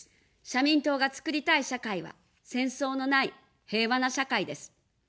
社民党が作りたい社会は、戦争のない平和な社会です。